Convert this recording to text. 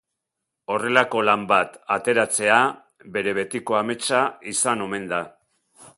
Horrelako lan bat ateratzea bere betiko ametsa izan omen da.